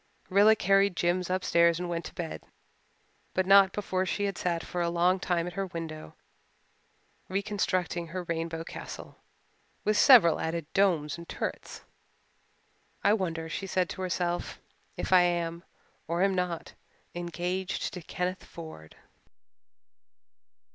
Rilla carried Jims upstairs and went to bed, but not before she had sat for a long time at her window reconstructing her rainbow castle, with several added domes and turrets. "I wonder," she said to herself, "if I am, or am not, engaged to Kenneth Ford."